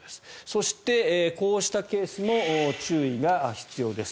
そして、こうしたケースも注意が必要です。